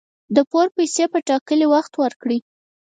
د پور پیسي په ټاکلي وخت ورکړئ